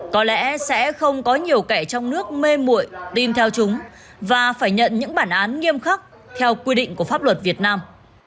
có lẽ sẽ không có nhiều kẻ trong nước mê mụi tin theo chúng và phải nhận những bản án nghiêm khắc theo quy định của pháp luật việt nam